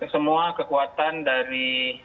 semua kekuatan dari